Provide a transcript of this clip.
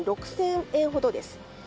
毎月１万６０００円ほどです。